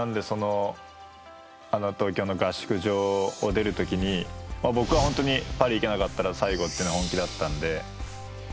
東京の合宿所を出る時に僕は本当にパリ行けなかったら最後っていうのは本気だったんで。